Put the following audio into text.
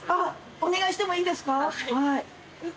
お願いしてもいいですか？